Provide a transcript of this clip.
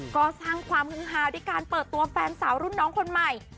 ก็สร้างความฮึงฮาด้วยการเปิดตัวแฟนสาวรุ่นน้องคนใหม่